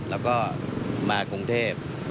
แล้วก็มากรุงเทพ